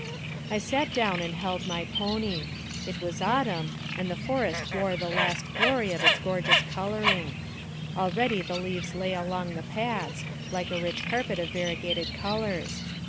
I sat down and held my pony. It was autumn, and the forest wore the last glory of its gorgeous coloring. Already the leaves lay along the paths, like a rich carpet of variegated colors.